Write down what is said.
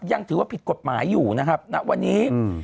ยังถือว่าผิดกฎหมายอยู่นะครับณวันนี้